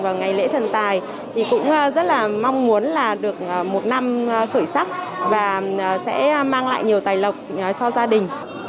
và ngày lễ thần tài thì cũng rất là mong muốn là được một năm khởi sắc và sẽ mang lại nhiều tài lộc cho gia đình